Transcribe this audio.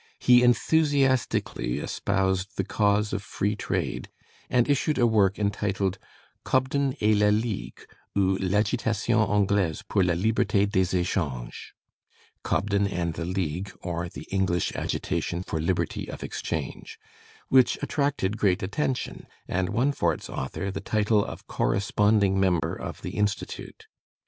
He enthusiastically espoused the cause of Free Trade, and issued a work entitled 'Cobden et la Ligue, ou l'Agitation anglaise pour la liberté des échanges' (Cobden and the League, or the English Agitation for Liberty of Exchange), which attracted great attention, and won for its author the title of corresponding member of the Institute.